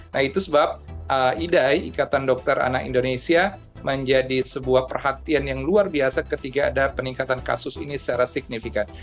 nah itu sebab idai menjadi sebuah perhatian yang luar biasa ketika ada peningkatan kasus ini secara signifikan